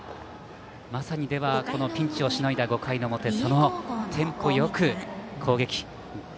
まさにピンチをしのいだ５回の表そのテンポよく攻撃を。